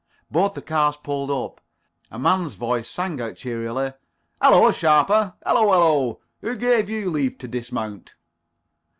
Both the cars pulled up. A man's voice sang out cheerily: "Hallo, Sharper. Hallo, hallo. Who gave you leave to dismount?"